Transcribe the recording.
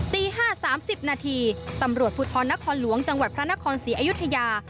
ตี๕๓๐นาทีตำรวจภูทรนครหลวงจังหวัดพระนครศรีอยุธยา